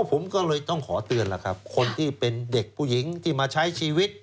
ผมก็เลยต้องขอเตือนล่ะครับคนที่เป็นเด็กผู้หญิงที่มาใช้ชีวิต